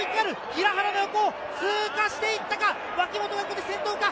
平原の横を通過していったか、脇本がここで先頭か。